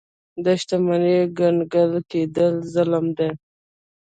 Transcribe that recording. د شتمنۍ کنګل کېدل ظلم دی.